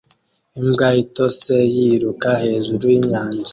Imbwa itose yiruka hejuru yinyanja